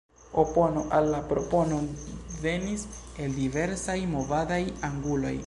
Opono al la propono venis el diversaj movadaj anguloj.